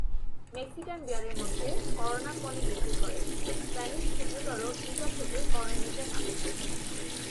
Mexican বিয়ারের মধ্যে, Corona পনি বিক্রি করে, স্প্যানিশ ক্ষুদ্রতর "-ইটা" থেকে "করনিটা" নামে।